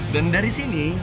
dan dari sini